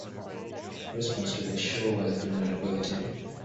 Response to the show was generally positive.